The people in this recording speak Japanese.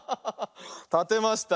たてました。